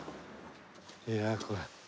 いやあこれ。